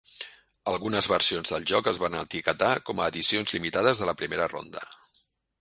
Algunes versions del joc es van etiquetar com a "Edicions limitades de la primera ronda".